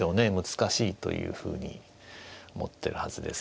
難しいというふうに思ってるはずです。